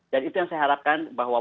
dan itu yang saya harapkan bahwa